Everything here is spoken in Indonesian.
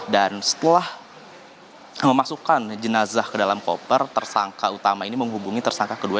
dan setelah memasukkan jenazah ke dalam koper tersangka utama ini menghubungi tersangka kedua